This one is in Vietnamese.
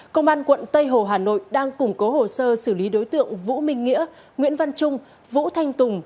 công an quận tây hồ hà nội đang củng cố hồ sơ xử lý đối tượng vũ minh nghĩa nguyễn văn trung vũ thanh tùng